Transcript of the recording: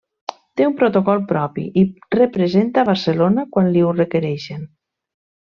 Té un protocol propi i representa Barcelona quan li ho requereixen.